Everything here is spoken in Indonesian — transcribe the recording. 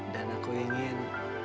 dan aku ingin